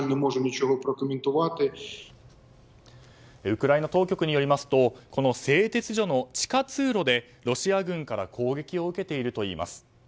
ウクライナ当局によりますとこの製鉄所の地下通路でロシア軍から攻撃を受けているといいます。